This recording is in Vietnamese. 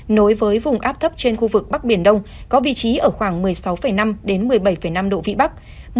nối với vùng áp thấp trên khu vực bắc biển đông có vị trí ở khoảng một mươi sáu năm một mươi bảy năm độ vĩ bắc